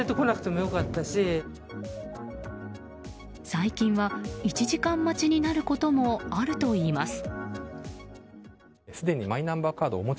最近は１時間待ちになることもあるといいます。